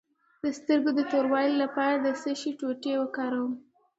د سترګو د توروالي لپاره د څه شي ټوټې وکاروم؟